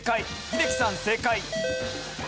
英樹さん正解。